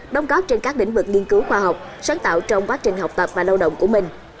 đồng góp trên các lĩnh vực nghiên cứu khoa học sáng tạo trong quá trình học tập và lao động của mình